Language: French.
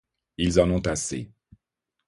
Ils en ont assez.